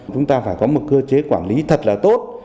chúng ta phải có một cơ chế quản lý thật là tốt